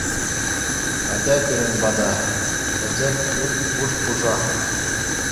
Атя пирӗн пата, пӗчӗк пӳрт пуш-пушах.